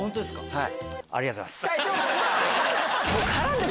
はい！